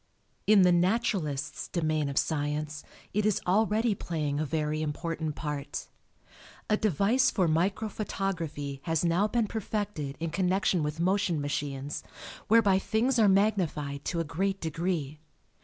In the naturalist's domain of science it is already playing a very important part. A device for micro photography has now been perfected in connection with motion machines whereby things are magnified to a great degree.